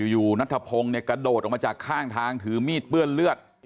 อยู่นัทธพงศ์เนี่ยกระโดดออกมาจากข้างทางถือมีดเปื้อนเลือด